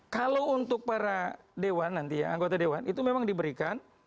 kalau untuk para dewan nanti ya anggota dewan itu memang diberikan